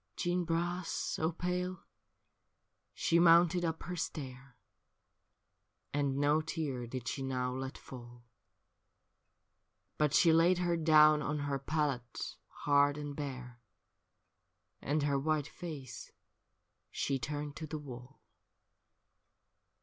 Jeanne Bras, so pale, she mounted up her stair. And no tear did she now let fall ; But she laid her down on her pallet hard and bare, And her white face she turned to the wall.